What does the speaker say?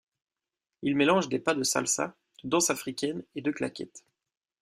Il mélange des pas de salsa, de danse africaine et de claquettes.